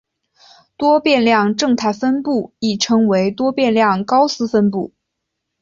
多变量正态分布亦称为多变量高斯分布。